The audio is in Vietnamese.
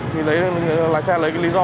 thì lái xe lấy cái lý do